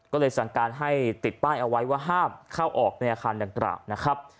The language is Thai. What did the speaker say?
ก็เลยสั่งการให้ติดป้ายเอาไว้ว่าห้ามเข้าออกในอาคารดังกล่าวนะครับ